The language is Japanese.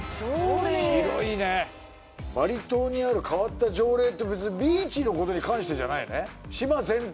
広いねバリ島にある変わった条例って別にビーチのことに関してじゃないよね？